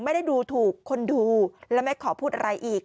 ไม่ได้ดูถูกคนดูและไม่ขอพูดอะไรอีก